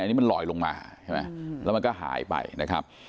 อันนี้มันลอยลงมาใช่ไหมแล้วมันก็หายไปนะครับ